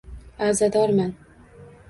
Azadorman.